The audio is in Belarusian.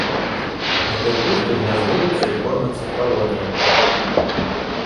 Гэтыя птушкі гняздуюцца і кормяцца калоніямі.